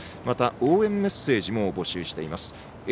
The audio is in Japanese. また、応援メッセージも募集しています。